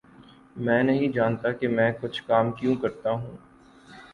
میں نہیں جانتا کہ میں کچھ کام کیوں کرتا ہوں